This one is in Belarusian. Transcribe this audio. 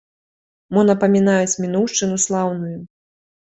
Мо напамінаюць мінуўшчыну слаўную?